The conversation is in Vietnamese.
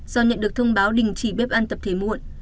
do nhận được thông báo đình chỉ bếp ăn tập thể muộn